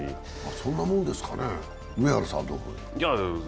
そんなもんですかね、上原さん、どうですか。